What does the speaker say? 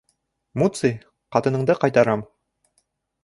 Муций, ҡатыныңды ҡайтарам.